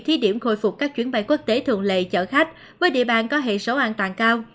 thí điểm khôi phục các chuyến bay quốc tế thường lệ chở khách với địa bàn có hệ số an toàn cao